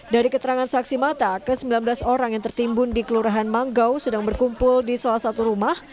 dari keterangan saksi mata ke sembilan belas orang yang tertimbun di kelurahan manggau sedang berkumpul di salah satu rumah